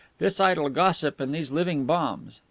This idle gossip and these living bombs!